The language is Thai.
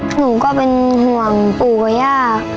หนูก็เป็นห่วงปู่กับย่า